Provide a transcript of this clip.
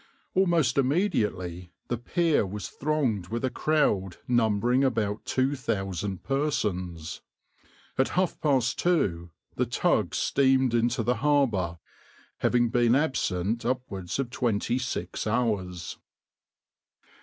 Almost immediately the pier was thronged with a crowd numbering about two thousand persons. At half past two the tug steamed into the harbour, having been absent upwards of twenty six hours.